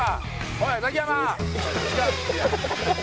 おいザキヤマ！